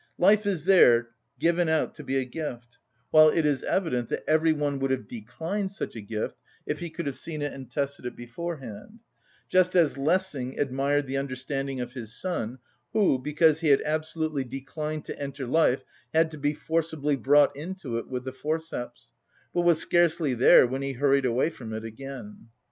Life is there given out to be a gift, while it is evident that every one would have declined such a gift if he could have seen it and tested it beforehand; just as Lessing admired the understanding of his son, who, because he had absolutely declined to enter life, had to be forcibly brought into it with the forceps, but was scarcely there when he hurried away from it again.